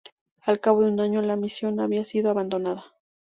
Al cabo de un año, la misión había sido abandonada.